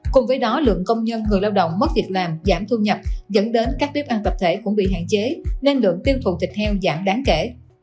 cùng với đó lượng công nhân người lao động mất việc làm giảm thu nhập dẫn đến các bếp ăn tập thể cũng bị hạn chế nên lượng tiêu thụ thịt heo giảm đáng kể